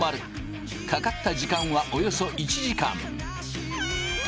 かかった時間はおよそ１時間。